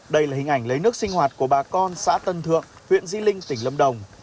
đây là hình ảnh lấy nước sinh hoạt của bà con xã tân thượng huyện di linh tỉnh lâm đồng